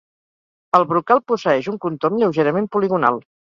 El brocal posseeix un contorn lleugerament poligonal.